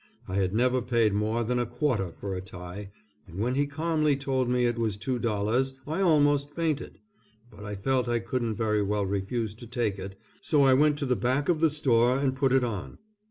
I had never paid more than a quarter for a tie, and when he calmly told me it was two dollars I almost fainted, but I felt I couldn't very well refuse to take it so I went to the back of the store and put it on.